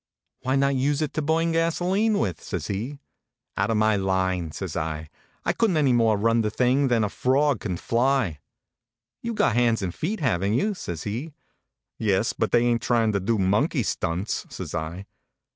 Why not use it to burn gasolene with? " says he. " Out of my line," says I. " I couldn t any more run the thing than a frog can %" You ve got hands and feet, haven t you? " says he. Yes, but they ain t trained to do monkey stunts," says I.